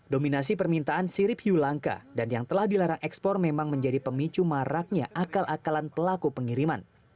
dominasi permintaan sirip hiu langka dan yang telah dilarang ekspor memang menjadi pemicu maraknya akal akalan pelaku pengiriman